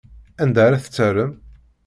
Anda ara t-terrem?